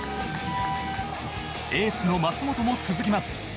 エースの舛本も続きます。